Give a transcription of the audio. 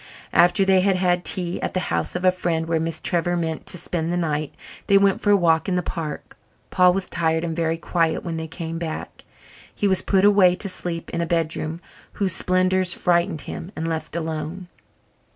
After they had had tea at the house of the friend where Miss Trevor meant to spend the night, they went for a walk in the park. Paul was tired and very quiet when they came back. He was put away to sleep in a bedroom whose splendours frightened him, and left alone.